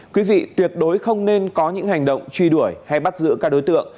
quý vị tuyệt đối không nên có những hành động truy đuổi hay bắt giữ các đối tượng